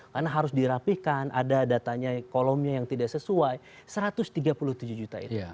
karena harus dirapikan ada datanya kolomnya yang tidak sesuai satu ratus tiga puluh tujuh juta itu